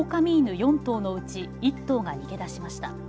４頭のうち１頭が逃げ出しました。